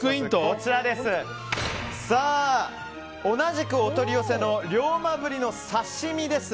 こちら、同じくお取り寄せの龍馬鰤の刺し身です。